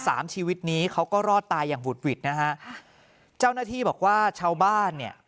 สามชีวิตนี้เขาก็รอดตายอย่างบุดหวิดนะฮะเจ้าหน้าที่บอกว่าชาวบ้านเนี่ย